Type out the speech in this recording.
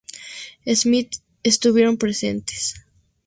Smith estuvieron presentes.